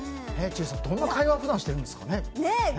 千里さん、どんな会話を普段してるんですかね。